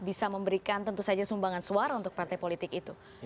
bisa memberikan tentu saja sumbangan suara untuk partai politik itu